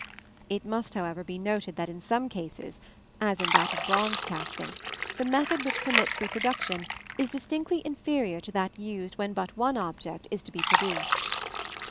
It must, however, be noted that in some cases as in that of bronze casting the method which permits reproduction is distinctly inferior to that used when but one object is to be produced.